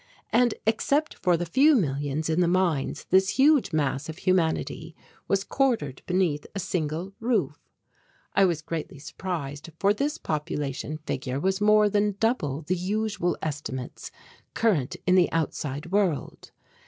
And except for the few millions in the mines this huge mass of humanity was quartered beneath a single roof. I was greatly surprised, for this population figure was more than double the usual estimates current in the outside world.